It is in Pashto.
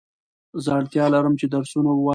زه اړتیا لرم چي درسونه ووایم